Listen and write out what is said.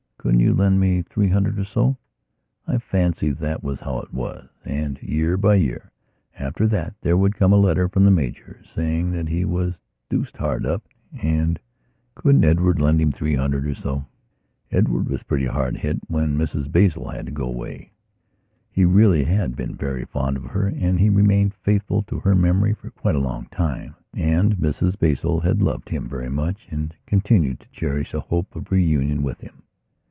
Couldn't you lend me three hundred or so?" I fancy that was how it was. And, year by year, after that there would come a letter from the Major, saying that he was deuced hard up and couldn't Edward lend him three hundred or so? Edward was pretty hard hit when Mrs Basil had to go away. He really had been very fond of her, and he remained faithful to her memory for quite a long time. And Mrs Basil had loved him very much and continued to cherish a hope of reunion with him.